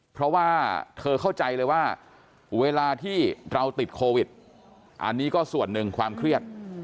เพราะว่าเธอเข้าใจเลยว่าเวลาที่เราติดโควิดอันนี้ก็ส่วนหนึ่งความเครียด